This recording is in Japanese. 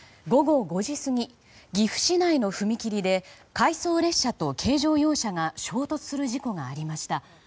午後５時過ぎ、岐阜市内の踏切で回送列車と軽乗用車が衝突する事故がありました。